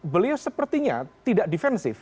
beliau sepertinya tidak defensif